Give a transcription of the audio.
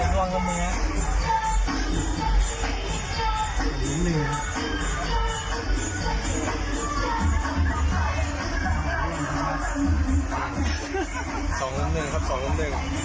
สองรุ่มหนึ่งครับสองรุ่มหนึ่ง